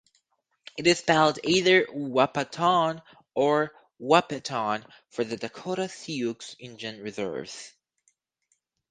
It is spelled either Wahpaton, or Wahpeton for the Dakota Sioux Indian reserves.